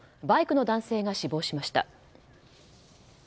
バイクの男性が死亡しました。